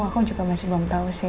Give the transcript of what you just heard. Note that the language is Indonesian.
aku juga masih belum tahu sih